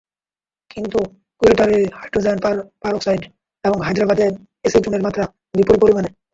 কিন্তু কোয়েম্বাটোরে hydrogen peroxide এবং হায়দ্রাবাদে অ্যাসিটোনের মাত্রা, বিপুল পরিমাণে!